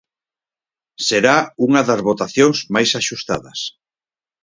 Será unha das votacións máis axustadas.